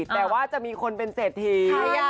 แต่ว่าจะมีคนเป็นเศรษฐี